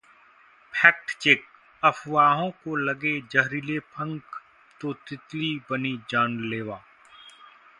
fact check: अफवाहों को लगे जहरीले पंख तो तितली बनी जानलेवा